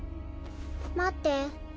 待って。